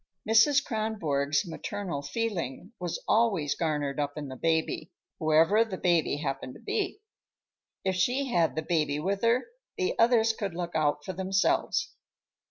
Mrs. Kronborg's maternal feeling was always garnered up in the baby, whoever the baby happened to be. If she had the baby with her, the others could look out for themselves.